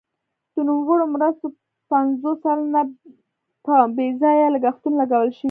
د نوموړو مرستو پنځوس سلنه په بې ځایه لګښتونو لګول شوي.